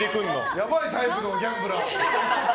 やばいタイプのギャンブラー。